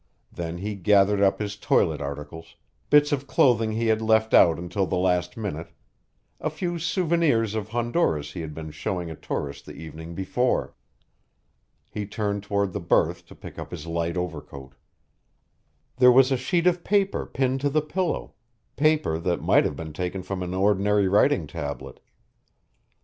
Then he gathered up his toilet articles, bits of clothing he had left out until the last minute, a few souvenirs of Honduras he had been showing a tourist the evening before. He turned toward the berth to pick up his light overcoat. There was a sheet of paper pinned to the pillow, paper that might have been taken from an ordinary writing tablet.